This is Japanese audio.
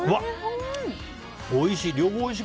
おいしい！